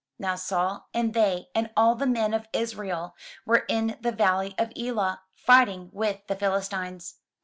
*' Now Saul, and they, and all the men of Israel, were in the valley of Elah, fighting with the Philistines.